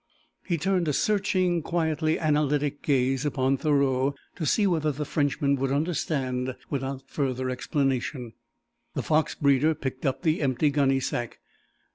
He turned a searching, quietly analytic gaze upon Thoreau to see whether the Frenchman would understand without further explanation. The fox breeder picked up the empty gunny sack.